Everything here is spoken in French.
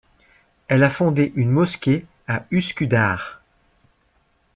Elle a fondé une mosquée à Üsküdar.